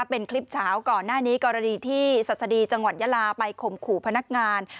เป็นคลิปเช้าก่อนหน้านี้กรณีที่ศัษฎีจังหวัดยาลาไปข่มขู่พนักงาน